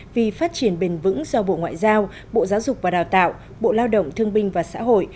vì phát triển bền vững do bộ ngoại giao bộ giáo dục và đào tạo bộ lao động thương binh và xã hội